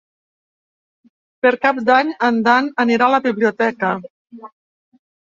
Per Cap d'Any en Dan anirà a la biblioteca.